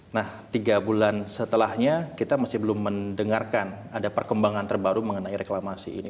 nah tiga bulan setelahnya kita masih belum mendengarkan ada perkembangan terbaru mengenai reklamasi ini